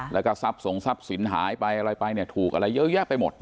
และก็ทรัพย์สนทรัพย์สินหายไปถูกอะไรเยอะแยะไปหมด